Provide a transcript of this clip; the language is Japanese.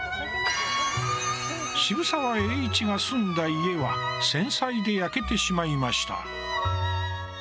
渋沢栄一が住んだ家は戦災で焼けてしまいました。